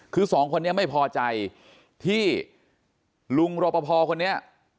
คือสองคนนี้ไม่พอใจที่ลุงรปภคนนี้